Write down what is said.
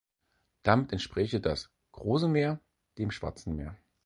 Damit entspräche das „Große Meer“ dem Schwarzen Meer.